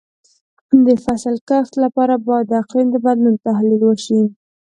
د فصل کښت لپاره باید د اقلیم د بدلون تحلیل وشي.